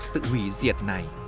sự hủy diệt này